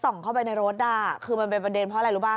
ถูกต้องแล้วส่องเข้าไปในรถน่ะ